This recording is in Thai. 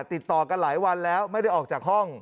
ติดต่อกันหลายวันแล้วไม่ได้ออกจากห้อง